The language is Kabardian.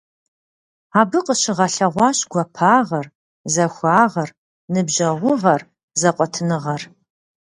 Абы къыщыгъэлъэгъуащ гуапагъэр, захуагъэр, ныбжьэгъугъэр, зэкъуэтыныгъэр.